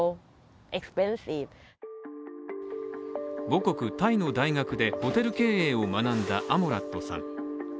母国・タイの大学でホテル経営を学んだアモラットさん。